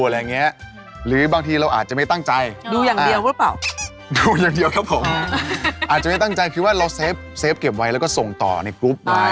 แล้วครบว่ามีรูปผู้หญิงแซ็กซี